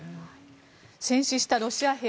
戦死したロシア兵